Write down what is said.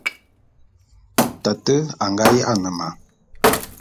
Tate a nga ya'ane ma.